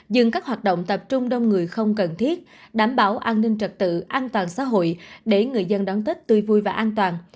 dừng các hoạt động tập trung đông người không cần thiết đảm bảo an ninh trật tự an toàn xã hội để người dân đón tết tươi vui và an toàn